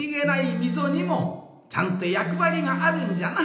みぞにもちゃんとやくわりがあるんじゃな。